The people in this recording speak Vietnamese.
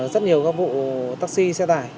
rất nhiều các vụ taxi xe tải